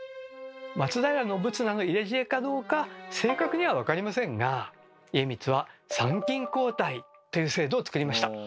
松平信綱の入れ知恵かどうか正確には分かりませんが家光は「参勤交代」という制度を作りました。